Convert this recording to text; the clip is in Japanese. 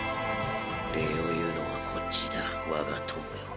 礼を言うのはこっちだ我が友よ。